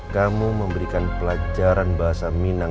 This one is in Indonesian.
kamu memberikan pelajaran bahasa minang